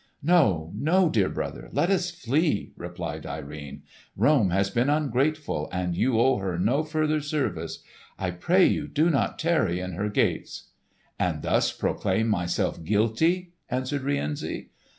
"No, no, dear brother, let us flee!" replied Irene. "Rome has been ungrateful and you owe her no further service. I pray you do not tarry in her gates!" "And thus proclaim myself guilty?" answered Rienzi.